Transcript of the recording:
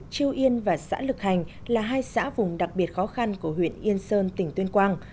triều yên và xã lực hành là hai xã vùng đặc biệt khó khăn của huyện yên sơn tỉnh tuyên quang